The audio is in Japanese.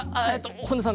本田さんは？